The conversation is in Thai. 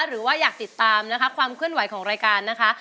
หรือว่าอยากติดตามนะคะความเคลื่อนไหวของรายการนะคะ